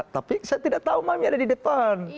tapi saya tidak tahu mami ada di depan